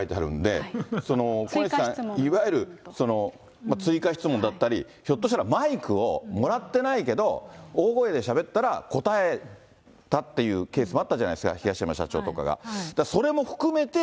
いわゆる追加質問だったり、ひょっとしたらマイクをもらってないけど、大声でしゃべったら答えたっていうケースもあったじゃないですか、東山社長とかが。